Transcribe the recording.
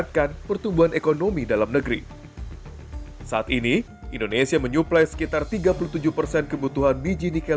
dan bagaimana mereka bisa mengambil kebaikan dari itu